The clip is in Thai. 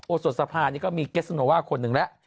โอสสภานี้ก็มีแก้สนวาคค์คนึงแล้ว